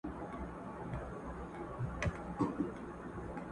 o يا دي نه وي يا دي نه سره زامن وي٫